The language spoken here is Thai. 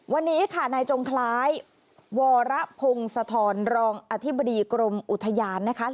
วันนี้ค่ะนายจงคล้ายวรพงศธรรองอธิบดีกรมอุทยานนะคะ